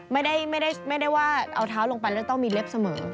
ไม่ได้ว่าเอาเท้าลงไปแล้วต้องมีเล็บเสมอ